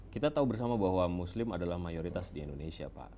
kita tahu bersama bahwa muslim adalah mayoritas di indonesia pak